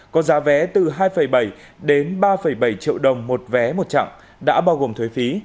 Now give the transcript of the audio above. có giá vé từ hai bảy đến ba bảy triệu đồng một vé một chặng đã bao gồm thuế phí